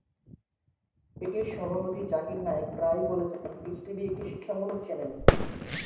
এটির সভাপতি জাকির নায়েক প্রায়ই বলে থাকেন পিস টিভি একটি শিক্ষামূলক চ্যানেল।